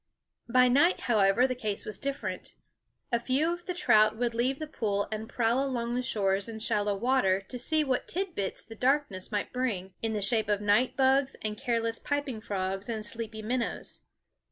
By night, however, the case was different. A few of the trout would leave the pool and prowl along the shores in shallow water to see what tidbits the darkness might bring, in the shape of night bugs and careless piping frogs and sleepy minnows.